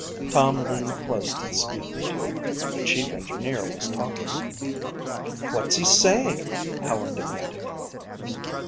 Tom leaned close to the speaking tube. The chief engineer was talking. "What's he saying?" Helen demanded.